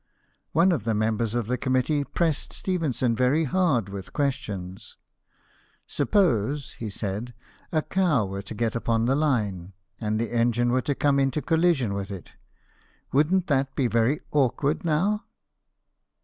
One of the members of the committee pressed Stephenson very hard with questions. " Suppose," he said, " a cow were to get upon the line, and the engine were to come into collision with it ; wouldn't that be very awkward, now